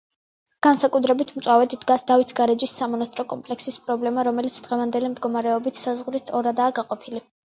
განსაკუთრებით მწვავედ დგას დავით გარეჯის სამონასტრო კომპლექსის პრობლემა რომელიც დღევანდელი მდგომარეობით საზღვრით ორადაა გაყოფილი.